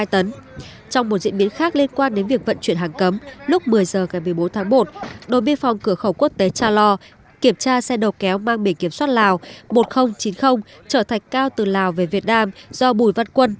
trong một diễn biến khác liên quan đến việc vận chuyển hàng cấm lúc một mươi h ngày một mươi bốn tháng một đội biên phòng cửa khẩu quốc tế cha lo kiểm tra xe đầu kéo mang bề kiểm soát lào một nghìn chín mươi trở thạch cao từ lào về việt nam do bùi văn quân